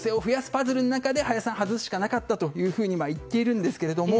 パズルの中で林さんを外すしかなかったと言っているんですけれども。